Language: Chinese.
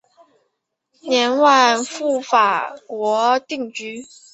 晚年赴法国定居。